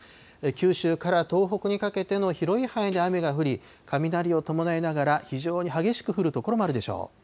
九州から東北にかけての広い範囲で雨が降り、雷を伴いながら、非常に激しく降る所もあるでしょう。